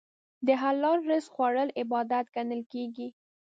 د حلال رزق خوړل عبادت ګڼل کېږي.